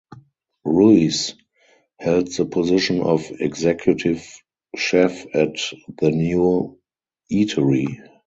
Ruiz held the position of Executive Chef at the new eatery.